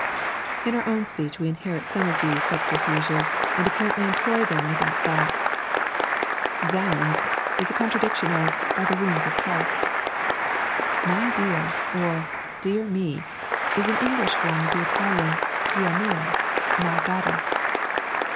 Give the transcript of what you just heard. In our own speech we inherit some of these subterfuges, and apparently employ them without thought. 3.n.iized by Google Fai£E Jewish Ideas. 71 " Zound«" IB a contraction of "By the wounds of Christ." "My deaa " or "Dear me," is an English form of the Italian, Dia'mia, my goddess.